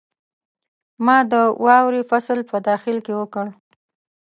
ما د واورې فصل په داخل کې وکړ.